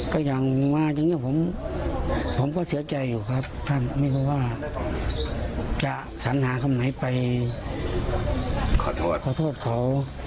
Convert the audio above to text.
ก็อย่างมาอย่างนี้ผมก็เสียใจอยู่ครับท่านไม่รู้ว่าจะสัญหาคำไหนไปขอโทษขอโทษเขา